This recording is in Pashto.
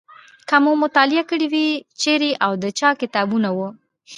که مو مطالعه کړي وي چیرې او د چا کتابونه وو.